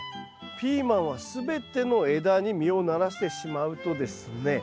ピーマンは全ての枝に実をならせてしまうとですね